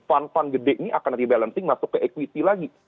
fund fund gede ini akan rebalancing masuk ke equity lagi